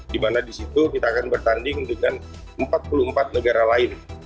di mana di situ kita akan bertanding dengan empat puluh empat negara lain